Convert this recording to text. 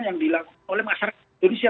yang dilakukan oleh masyarakat indonesia